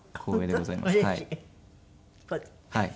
はい。